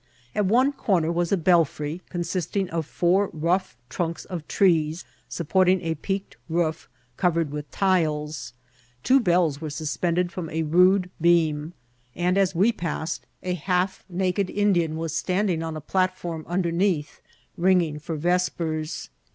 At one corner was a belfry, consisting of four rough trunks of trees supporting a peaked roof covered with tiles. Two bells were suspended from a rude beam; and, as we passed, a half naked Indian was standing on a platform underneath, ringing for vespers.